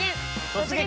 「突撃！